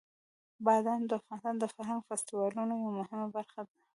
بادام د افغانستان د فرهنګي فستیوالونو یوه مهمه برخه ده.